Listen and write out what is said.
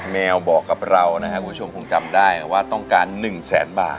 แมวบอกกับเรานะครับคุณผู้ชมคงจำได้ว่าต้องการ๑แสนบาท